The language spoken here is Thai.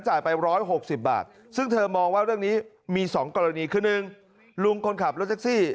ไป๑๖๐บาทซึ่งเธอมองว่าเรื่องนี้มี๒กรณีคือ๑ลุงคนขับรถแท็กซี่